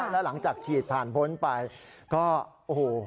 แล้วหลังจากฉีดผ่านพ้นไปก็โอ้โห